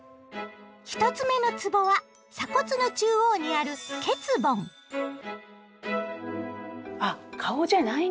１つ目のつぼは鎖骨の中央にあるあっ顔じゃないんですね。